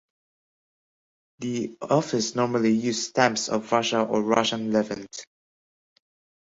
The office normally used stamps of Russia or Russian Levant.